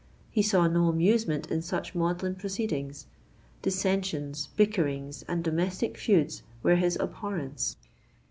He saw no amusement in such maudlin proceedings: dissensions, bickerings, and domestic feuds were his abhorrence.